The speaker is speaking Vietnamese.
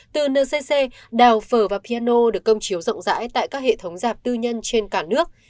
từ ncc đào phở và piano được công chiếu rộng rãi tại các hệ thống dạp tư nhân trên cả nước